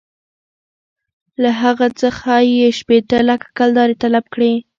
له هغه څخه یې شپېته لکه کلدارې طلب کړې.